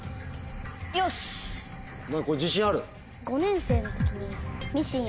これ自信ある？